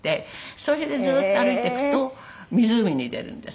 それでずっと歩いていくと湖に出るんです。